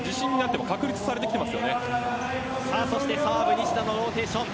西田のローテーション。